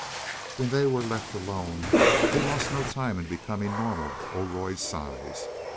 When they were left alone they lost no time in becoming normal Oroid size.